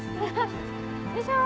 よいしょ。